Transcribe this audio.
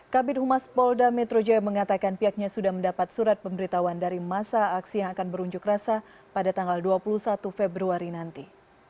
kabin humas polda metro jaya mengatakan pihaknya sudah mendapat surat pemberitahuan dari masa aksi yang akan berunjuk rasa pada tanggal dua puluh satu februari nanti